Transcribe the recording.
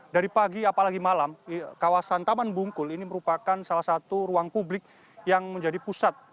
dari pagi apalagi malam kawasan taman bungkul ini merupakan salah satu ruang publik yang menjadi pusat